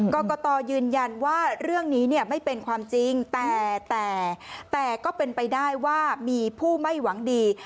กรกตยืนยันว่าเรื่องนี้เนี่ยไม่เป็นความจริงแต่ก็เป็นไปได้ว่ามีผู้ไม่หวังดี